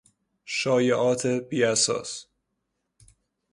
شایعات بیاساس